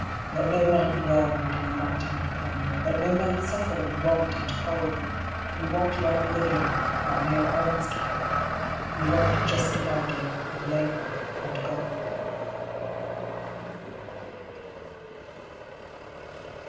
Let no man dwell under a mountain of plunder, Let no man suffer with want and cold; We want right living, not mere alms giving; We want just dividing of labour and gold.